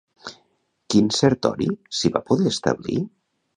Quint Sertori s'hi va poder establir?